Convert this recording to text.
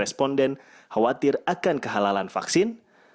delapan belas delapan ratus delapan puluh sembilan responden khawatir akan kehalalan vaksin